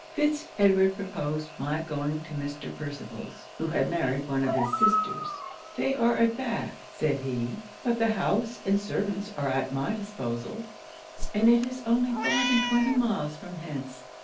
Fitz Edward proposed my going to Mr. Percival's, who had married one of his sisters. They are at Bath, said he; but the house and servants are at my disposal, and it is only five and twenty miles from hence.